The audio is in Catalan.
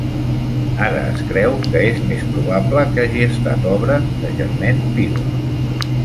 Ara es creu que és més probable que hagi estat obra de Germain Pilon.